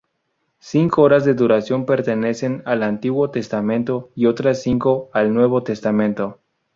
Cinco horas de duración pertenecen al Antiguo Testamento y otras cinco al Nuevo Testamento.